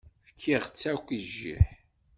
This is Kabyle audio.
Fkiɣ-tt akk i jjiḥ.